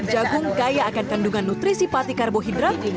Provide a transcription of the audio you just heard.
jagung kaya akan kandungan nutrisi pati karbohidrat